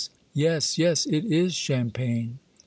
*' Yes, yes, it is champagne